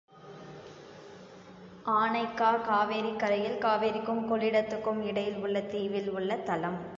ஆனைக்கா காவேரிக்கரையில், காவேரிக்கும் கொள்ளிடத்துக்கும் இடையில் உள்ள தீவில் உள்ள தலம்.